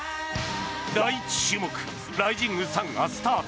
第１種目、ライジングサンがスタート。